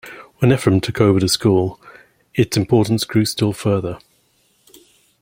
When Ephrem took over the school, its importance grew still further.